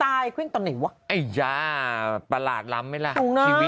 ตายควิ่งตอนไหนวะประหลาดล้ำไว้ล่ะชีวิตนี้